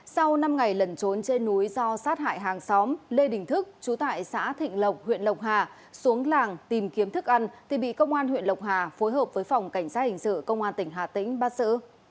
sau năm ngày lẩn trốn trên núi do sát hại hàng xóm lê đình thức chú tại xã thịnh lộc huyện lộc hà xuống làng tìm kiếm thức ăn thì bị công an huyện lộc hà phối hợp với phòng cảnh sát hình sự công an tỉnh hà tĩnh bắt sử